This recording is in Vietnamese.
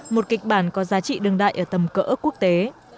một kịch bản có giá trị đương đại ở tầm cỡ quốc tế